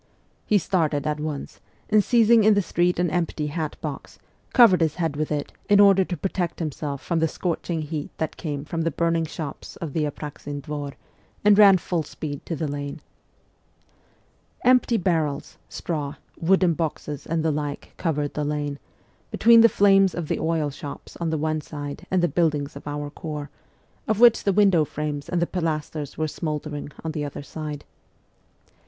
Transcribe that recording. He started at once, and seizing in the street an empty hatbox, covered his head with it, in order to protect himself from the scorching heat that came from the burning shops of the Apraxin Dvor and ran full speed to the lane. Empty barrels, straw, wooden boxes, and the like covered the lane, between the flames of the oil shops on the one side and the buildings of our Corps, of which the window frames and the pilasters were smouldering, on the other side.